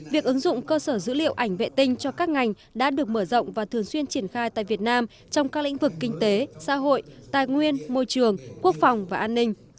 việc ứng dụng cơ sở dữ liệu ảnh vệ tinh cho các ngành đã được mở rộng và thường xuyên triển khai tại việt nam trong các lĩnh vực kinh tế xã hội tài nguyên môi trường quốc phòng và an ninh